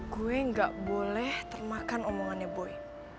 gue gak boleh termakan omongannya boy